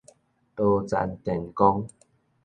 多層電光